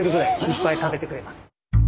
いっぱい食べてくれます。